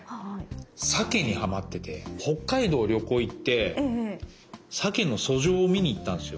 サケにハマってて北海道旅行行ってサケの遡上を見に行ったんすよ。